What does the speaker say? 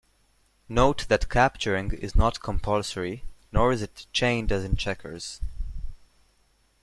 Note that capturing is not compulsory, nor is it "chained" as in checkers.